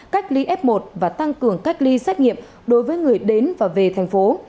cách ly f một và tăng cường cách ly xét nghiệm đối với người đến và về thành phố